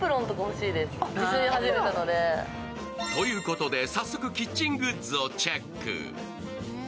自炊始めたんで。ということで、早速、キッチングッズをチェック。